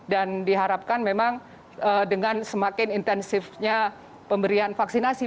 dan diharapkan memang dengan semakin intensifnya pemberian vaksinasi